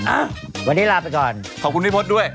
อ่ะวันนี้ลาไปก่อนขอบคุณพี่มดด้วย